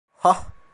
Hah!